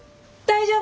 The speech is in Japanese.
大丈夫。